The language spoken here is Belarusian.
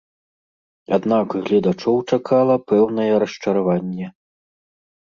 Аднак гледачоў чакала пэўнае расчараванне.